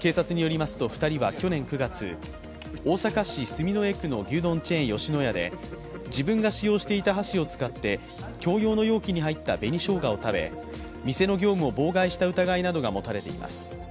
警察によりますと、２人は去年９月大阪市住之江区の牛丼チェーン、吉野家で自分が使用していた箸を使って共用の容器に入った紅しょうがを食べ、店の業務を妨害した疑いなどが持たれています。